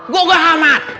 gue gak hamat